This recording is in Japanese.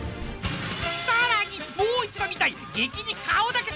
［さらにもう一度見たい］